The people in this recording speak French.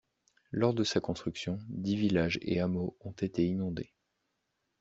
Lors de sa construction dix villages et hameaux ont été inondés.